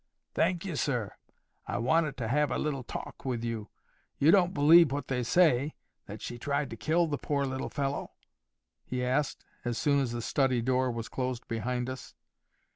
"Thank you, sir. I wanted to have a little talk with you.—You don't believe what they say—that she tried to kill the poor little fellow?" he asked, as soon as the study door was closed behind us.